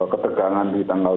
ketegangan di tanggal delapan